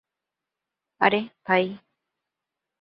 আরে, ভাই!